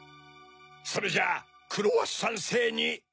それじゃあクロワッサンせいに。